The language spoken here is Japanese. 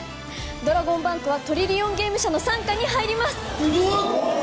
ドラゴンバンクはトリリオンゲーム社の傘下に入りますお！